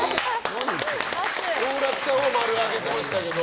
好楽さんは○を上げていましたけど。